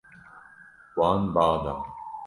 Wan ba da.